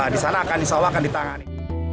di sana akan insya allah akan ditangani